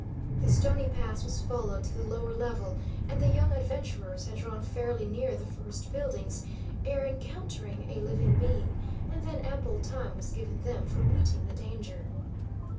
The stony pass was followed to the lower level, and the young adventurers had drawn fairly near the first buildings ere encountering a living being; and then ample time was given them for meeting the danger.